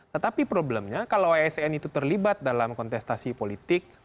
tetapi problemnya kalau asn itu terlibat dalam kontestasi politik